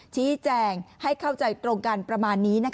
ชี้แจงให้เข้าใจตรงกันประมาณนี้